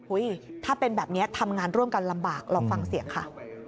ถ้าเป็นแบบนี้ทำงานร่วมกันลำบากลองฟังเสียงค่ะ